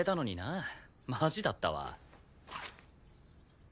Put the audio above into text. マジだったわ。